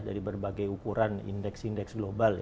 dari berbagai ukuran indeks indeks global